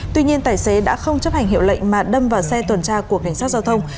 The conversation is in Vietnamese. tuy nhiên tài xế đã không chấp hành hiệu lệnh mà đâm vào xe tuần tra của cảnh sát giao thông